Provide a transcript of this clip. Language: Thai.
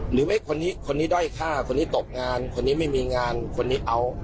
คนนี้คนนี้ด้อยฆ่าคนนี้ตกงานคนนี้ไม่มีงานคนนี้เอา